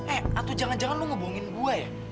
eh atau jangan jangan lo ngebongin gue ya